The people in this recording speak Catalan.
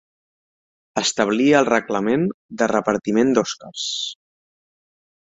Establia el reglament del repartiment d'òscars.